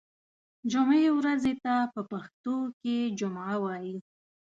جمعې ورځې ته په پښتو ژبه کې جمعه وایی